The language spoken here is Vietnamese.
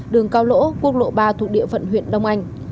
đường cao lỗ quốc lộ ba thuộc địa phận huyện đông anh